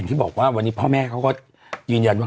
ที่บอกว่าวันนี้พ่อแม่เขาก็ยืนยันว่า